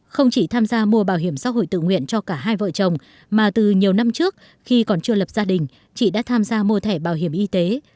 không chỉ tham gia mùa bảo hiểm xã hội tự nguyện cho cả hai vợ chồng mà từ nhiều năm trước khi còn chưa lập gia đình chị đã tham gia mua thẻ bảo hiểm y tế